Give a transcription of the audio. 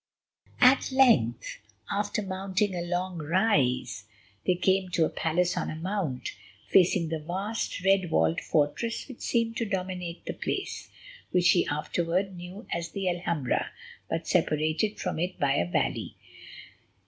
At length, after mounting a long rise, they came to a palace on a mount, facing the vast, red walled fortress which seemed to dominate the place, which he afterwards knew as the Alhambra, but separated from it by a valley.